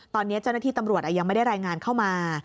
ตอนนี้เจ้าหน้าที่ตำรวจยังไม่ได้รายงานเข้ามา